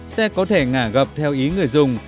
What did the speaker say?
xe có thể ngả gập theo ý người dùng